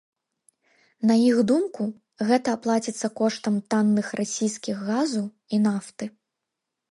На іх думку, гэта аплаціцца коштам танных расійскіх газу і нафты.